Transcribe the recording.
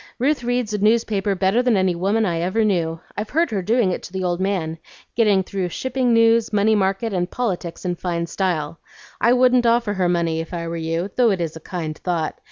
Ruth reads a newspaper better than any woman I ever knew. I've heard her doing it to the old man, getting through shipping news, money market, and politics in fine style. I wouldn't offer her money if I were you, though it is a kind thought.